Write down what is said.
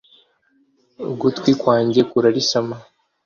ugutwi kwanjye kurarisama